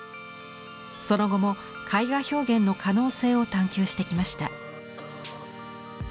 その後も絵画表現の可能性を探求してきました。